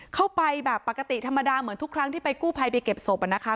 เข้าไปแบบปกติธรรมดาเหมือนทุกครั้งที่ไปกู้ภัยไปเก็บศพนะคะ